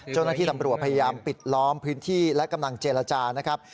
เจ้าหน้าที่ตำรวจพยายามปิดล้อมพื้นที่และกำลังเจรจานะครับ